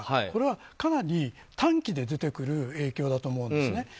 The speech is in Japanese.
これは、かなり短期で出てくる影響だと思うんですね。